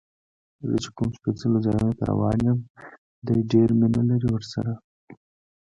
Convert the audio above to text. زه چې کوم سپېڅلو ځایونو ته روان یم، دې ډېر مینه لري ورسره.